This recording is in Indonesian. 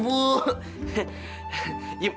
ya mungkin suami ibu emang baik bu